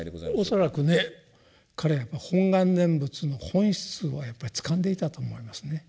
恐らくね彼は「本願念仏」の本質をやっぱりつかんでいたと思いますね。